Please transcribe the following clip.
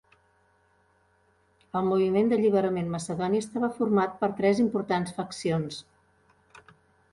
El moviment d'alliberament macedoni estava format per tres importants faccions.